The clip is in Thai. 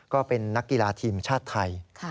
ก็เป็นนักกีฬาทีมชาติไทย